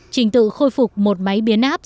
trình tự khôi phục một máy biến áp